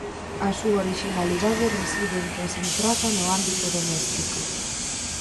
A súa orixinalidade reside en que as empraza no ámbito doméstico.